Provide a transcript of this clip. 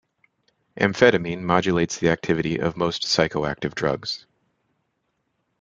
Amphetamine modulates the activity of most psychoactive drugs.